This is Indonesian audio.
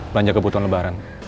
banyak kebutuhan lebaran